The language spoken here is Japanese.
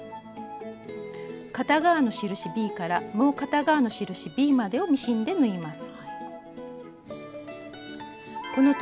片側の印ｂからもう片側の印ｂまでをミシンで縫います。